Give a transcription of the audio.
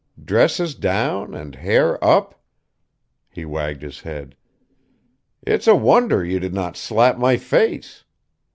Dresses down, and hair up...." He wagged his head. "It's a wonder you did not slap my face."